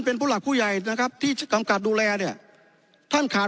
เป็นผู้หลักผู้ใหญ่นะครับที่กำกับดูแลเนี่ยท่านขาด